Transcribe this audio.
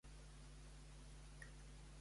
A quina època va dedicar-se a servir Déu?